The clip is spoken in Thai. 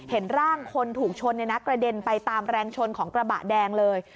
เห็นร่างคนถูกชนกระเด็นไปตามแรงชนของกระบะแดงเลย